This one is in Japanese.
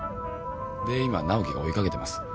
で今直季が追いかけてます。